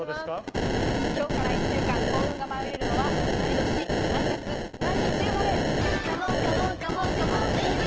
今日から１週間、幸運が舞い降りるのは、何年何月何日生まれ？